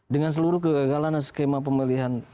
dengan seluruh kegagalan dan skema pemilihan